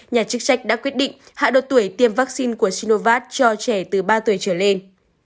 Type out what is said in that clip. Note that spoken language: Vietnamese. nhà chức trách đã quyết định hạ độ tuổi tiêm vaccine của sinovat cho trẻ từ ba tuổi trở lên